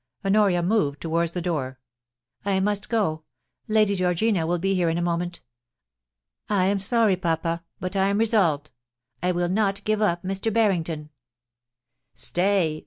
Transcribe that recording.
Honoria moved towards the door. * I must go. Lady Georgina will be here in a moment. I am sorry, papa, but I am resolved : I will not give up Mr. Barrington !'* Stay !'